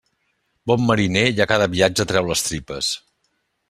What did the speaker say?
Bon mariner, i a cada viatge treu les tripes.